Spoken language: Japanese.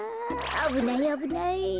あぶないあぶない。